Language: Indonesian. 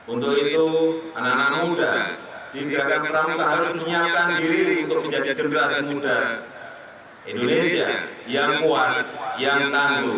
untuk itu anak anak muda di gerakan pramuka harus menyiapkan diri untuk menjadi generasi muda indonesia yang kuat yang tangguh